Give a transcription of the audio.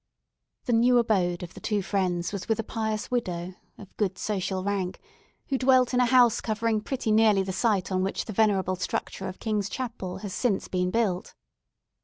The new abode of the two friends was with a pious widow, of good social rank, who dwelt in a house covering pretty nearly the site on which the venerable structure of King's Chapel has since been built.